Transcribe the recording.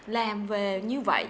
làm về như vậy